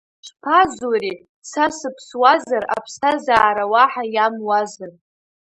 Ишԥазури, са сыԥсуазар, аԥсҭазаара уаҳа иамуазар?